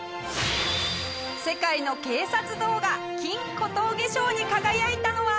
世界の警察動画金小峠賞に輝いたのは。